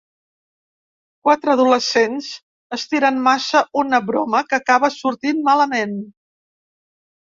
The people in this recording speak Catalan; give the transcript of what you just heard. Quatre adolescents estiren massa una broma que acaba sortint malament.